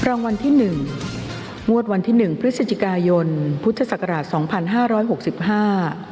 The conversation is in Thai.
รางวัลที่หนึ่งงวดวันที่หนึ่งพฤศจิกายนพุทธศักราชสองพันห้าร้อยหกสิบห้า